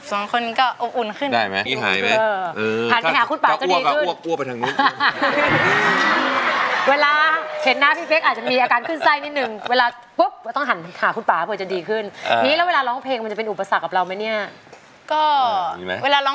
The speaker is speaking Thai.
จะปวดท้องเวลาตื่นเต้น